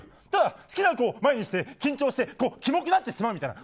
好きな子を前に緊張してキモくなってしまうみたいな。